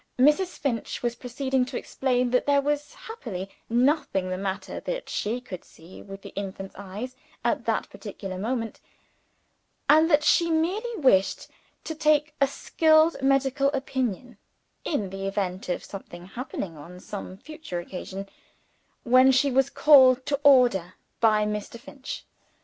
Mrs. Finch was proceeding to explain that there was happily nothing the matter, that she could see, with the infant's eyes at that particular moment, and that she merely wished to take a skilled medical opinion, in the event of something happening on some future occasion when she was called to order by Mr. Finch.